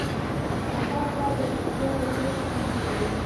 له هر چا د ريښتيا ويلو تمه مکوئ